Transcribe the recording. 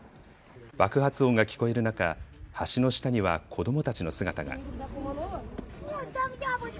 爆発音が聞こえる中、橋の下には子どもたちの姿が。